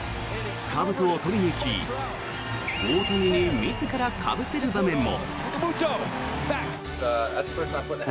かぶとを取りに行き大谷に自らかぶせる場面も。